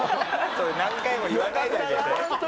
それ何回も言わないであげて。